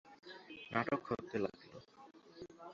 নাটক হতে লাগল।